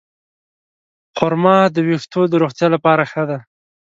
خرما د ویښتو د روغتیا لپاره ښه ده.